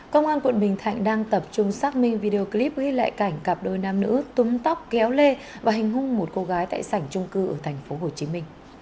công an quận bình thạnh đang tập trung xác minh video clip ghi lại cảnh cặp đôi nam nữ túm tóc kéo lê và hành hung một cô gái tại sảnh trung cư ở tp hcm